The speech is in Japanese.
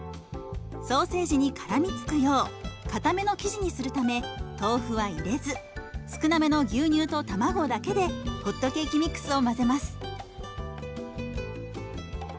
ソーセージにからみつくようかための生地にするため豆腐は入れず少なめの牛乳と卵だけでホットケーキミックスを混ぜます。